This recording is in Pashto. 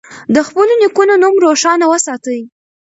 د خپلو نیکونو نوم روښانه وساتئ.